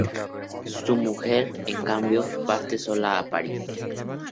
Su mujer, en cambio, parte sola a París.